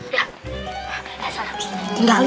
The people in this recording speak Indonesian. jangan keluar aku nggak masuk dong